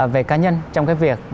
về cá nhân trong cái việc